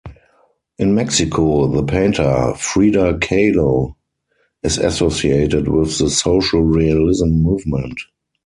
In Mexico the painter Frida Kahlo is associated with the social realism movement.